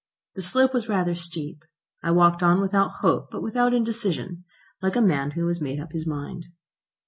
The slope was rather steep. I walked on without hope but without indecision, like a man who has made up his mind.